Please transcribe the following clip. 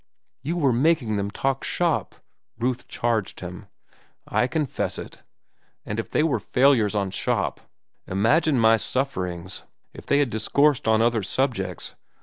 "You were making them talk shop," Ruth charged him. "I confess it. And if they were failures on shop, imagine my sufferings if they had discoursed on other subjects.